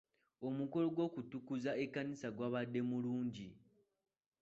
Omukolo gw'okutukuza ekkanisa gwabadde mulungi.